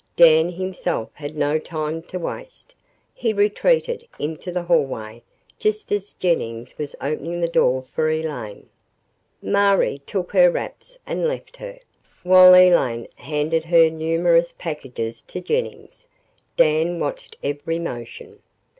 Dan himself had no time to waste. He retreated into the hallway just as Jennings was opening the door for Elaine. Marie took her wraps and left her, while Elaine handed her numerous packages to Jennings. Dan watched every motion.